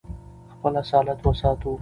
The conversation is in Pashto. خپل اصالت وساتو.